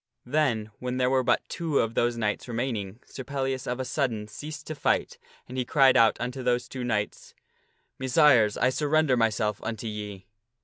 Then, when there were but two of those knights remaining, Sir Pellias of a sudden ceased to fight, and he cried out unto those two knights, " Messires, I surrender myself unto ye."